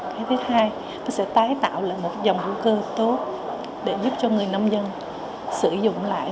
cái thứ hai nó sẽ tái tạo lại một dòng hữu cơ tốt để giúp cho người nông dân sử dụng lại